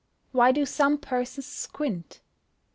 _Why do some persons squint?